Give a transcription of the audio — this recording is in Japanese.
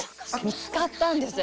見つかったんです。